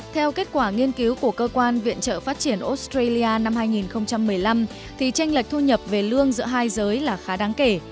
theo kết quả nghiên cứu của cơ quan viện trợ phát triển australia năm hai nghìn một mươi năm thì tranh lệch thu nhập về lương giữa hai giới là khá đáng kể